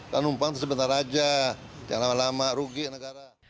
kan numpang itu sebentar aja jangan lama lama rugi negara